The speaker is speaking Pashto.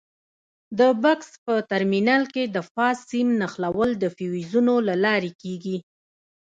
د بکس په ترمینل کې د فاز سیم نښلول د فیوزونو له لارې کېږي.